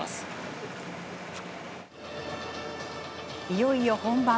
いよいよ本番。